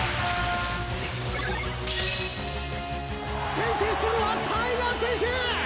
先制したのはタイガ選手！